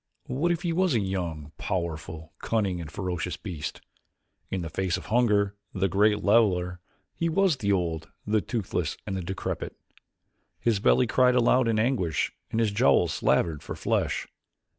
What if he was a young, powerful, cunning, and ferocious beast? In the face of hunger, the great leveler, he was as the old, the toothless, and the decrepit. His belly cried aloud in anguish and his jowls slavered for flesh.